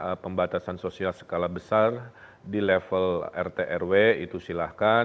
jika anda ingin melakukan pembatasan sosial skala besar di level rt rw itu silahkan